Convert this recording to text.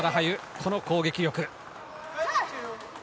この攻撃力。